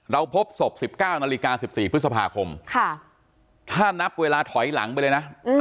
เราพบศพสิบเก้านาฬิกาสิบสี่พฤษภาคมค่ะถ้านับเวลาถอยหลังไปเลยนะอืม